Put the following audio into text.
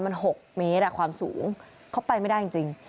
มัน๖เมตรความสูงเขาไปไม่ได้จริง